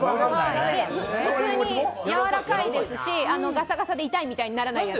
普通に柔らかいですし、ガサガサで痛くならないやつ。